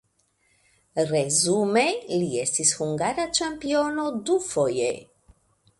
Resume li estis hungara ĉampiono dufoje.